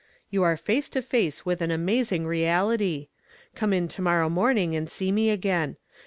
"You are face to face with an amazing reality. Come in to morrow morning and see me again.